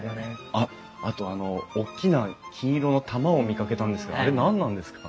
あっあとあのおっきな金色の玉を見かけたんですがあれ何なんですか？